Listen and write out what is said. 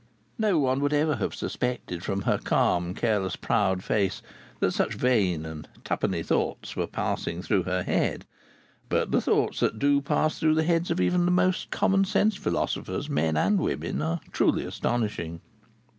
No one would ever have suspected, from her calm, careless, proud face, that such vain and two penny thoughts were passing through her head. But the thoughts that do pass through the heads of even the most common sensed philosophers, men and women, are truly astonishing.